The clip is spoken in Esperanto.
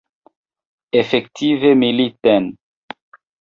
Efektive militen.